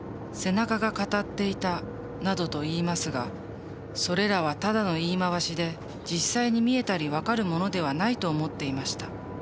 「背中が語っていた」などと言いますがそれらはただの言い回しで実際に見えたり分かるものではないと思っていました。